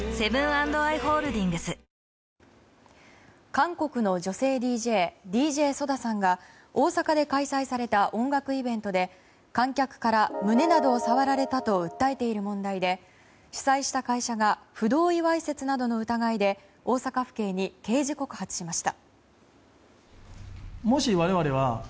韓国の女性ＤＪＤＪＳＯＤＡさんが大阪で開催された音楽イベントで観客から胸などを触られたと訴えている問題で主催した会社が不同意わいせつなどの疑いで大阪府警に刑事告発しました。